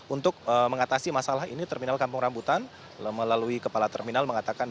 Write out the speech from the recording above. untuk mengatasi masalah ini terminal kampung rambutan melalui kepala terminal mengatakan